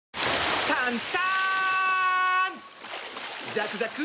ザクザク！